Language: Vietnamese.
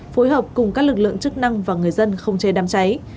phối hợp cùng các lực lượng chức năng và người dân không chế đám cháy